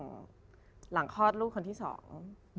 หลังคลอดลูกคนที่สอง